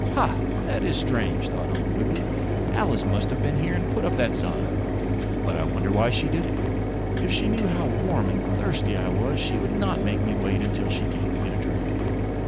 "Ha! That is strange," thought Uncle Wiggily. "Alice must have been here and put up that sign. But I wonder why she did it? If she knew how warm and thirsty I was she would not make me wait until she came to get a drink.